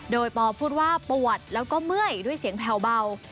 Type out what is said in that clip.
โดยปอพูดว่าปวดแล้วก็เมื่อยด้วยเสียงแผ่วเบา